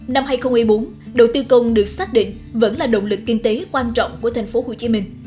năm hai nghìn bốn đầu tư công được xác định vẫn là động lực kinh tế quan trọng của thành phố hồ chí minh